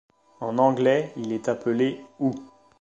En anglais, il est appelé ' ou '.